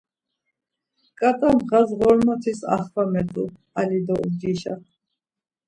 Ǩat̆a ndğas Ğormotis axvamet̆u ali do ucişa.